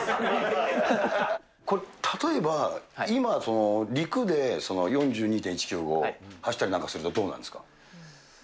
これ、例えば、今、陸で４２．１９５を走ったりなんかすると、どうなるんですか。